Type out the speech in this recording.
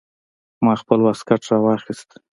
ما خپل واسکټ راوايست.